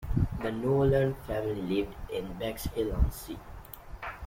The Nolan family lived in Bexhill-on-Sea.